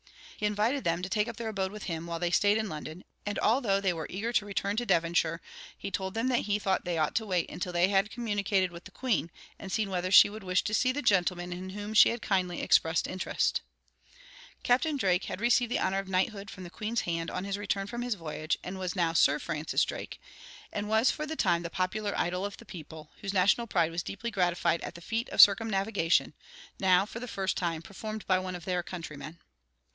He invited them to take up their abode with him, while they stayed in London; and although they were eager to return to Devonshire, he told them that he thought they ought to wait until he had communicated with the Queen, and had seen whether she would wish to see the gentlemen in whom she had kindly expressed interest. Captain Drake had received the honor of knighthood from the Queen's hand on his return from his voyage, and was now Sir Francis Drake, and was for the time the popular idol of the people, whose national pride was deeply gratified at the feat of circumnavigation, now for the first time performed by one of their countrymen.